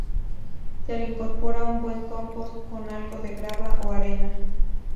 Se le incorpora un buen compost con algo de grava o arena.